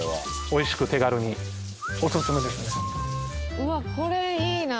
うわっこれいいなあ。